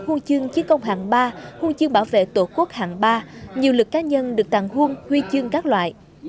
huôn chương chiến công hàng ba huôn chương bảo vệ tổ quốc hàng ba nhiều lực cá nhân được tặng huôn huy chương các loại